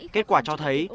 kết quả cho thấy